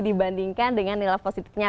dibandingkan dengan nilai positifnya